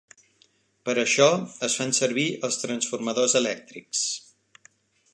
Per a això es fan servir els transformadors elèctrics.